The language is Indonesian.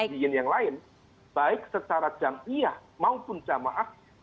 baik secara jangkiah maupun jamaah